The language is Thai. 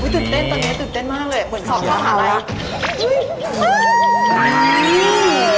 ตื่นเต้นตอนนี้ตื่นเต้นมากเลย